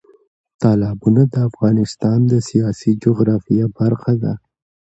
تالابونه د افغانستان د سیاسي جغرافیه برخه ده.